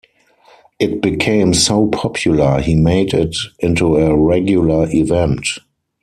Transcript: It became so popular he made it into a regular event.